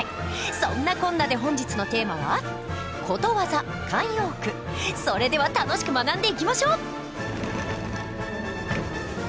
そんなこんなで本日のテーマはそれでは楽しく学んでいきましょう。